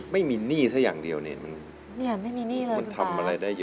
ไม่มีหนี้สักอย่างเดียวทำอะไรได้เยอะแยะ